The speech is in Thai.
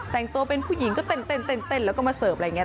แต่งตัวเป็นผู้หญิงก็เต้นแล้วก็มาเสิร์ฟอะไรอย่างนี้